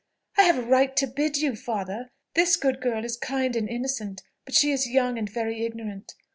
I have a right to bid you. Father! This good girl is kind and innocent; but she is young and very ignorant.